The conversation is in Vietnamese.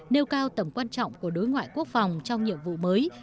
nêu cao tầm quan trọng của đối ngoại quốc phòng trong nhiệm vụ mới